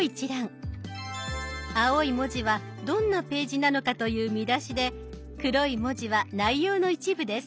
青い文字はどんなページなのかという見出しで黒い文字は内容の一部です。